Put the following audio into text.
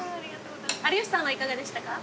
有吉さんはいかがでしたか？